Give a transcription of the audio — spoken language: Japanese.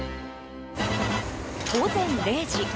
午前０時。